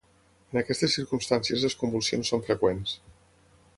En aquestes circumstàncies les convulsions són freqüents.